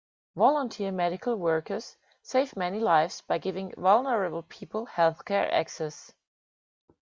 Volunteer Medical workers save many lives by giving vulnerable people health-care access